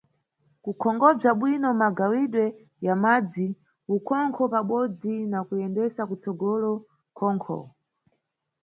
Kukonkhobza bwino magawidwe ya madzi, ukhonkho pabodzi na kuyendesa kutsogolo khonkho.